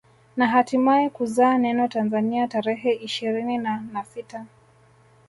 Na hatimae kuzaa neno Tanzania tarehe ishirina na sita